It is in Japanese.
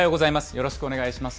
よろしくお願いします。